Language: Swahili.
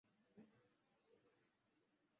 Tulieni twaja kesho